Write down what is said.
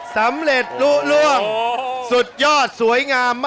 สำเร็จล่วงสุดยอดสวยงาม